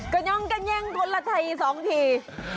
กระย้องกระแย้งคนละทีสองที